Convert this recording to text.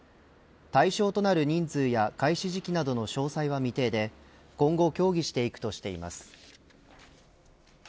対象となる人数や開始時期などの詳細は未定で今後協議していくとしています。